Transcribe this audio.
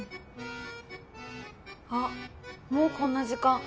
あもうこんな時間。